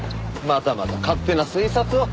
またまた勝手な推察を。